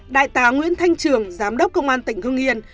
đại tá nguyễn thanh trường giám đốc công an tỉnh hương nghiền